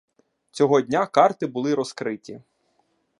Цього дня карти були розкриті.